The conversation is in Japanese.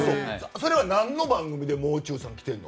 それは何の番組でもう中さんが来てるの？